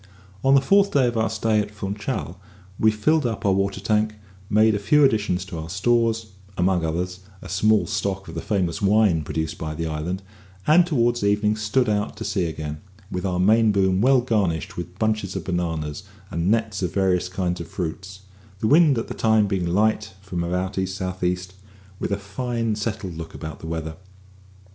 On the fourth day of our stay at Funchal we filled up our water tank, made a few additions to our stores (among others, a small stock of the famous wine produced by the island); and towards evening stood out to sea again, with our main boom well garnished with bunches of bananas and nets of various kinds of fruits; the wind at the time being light, from about east south east, with a fine settled look about the weather.